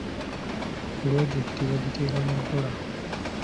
Pulojekiti bagiteeka mu nkola.